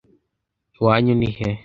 iwanyu ni he?